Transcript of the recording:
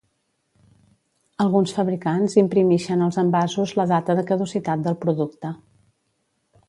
Alguns fabricants imprimixen als envasos la data de caducitat del producte.